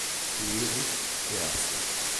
Ulrich e Afra.